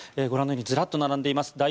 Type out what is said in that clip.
ご覧のようにずらっと並んでいます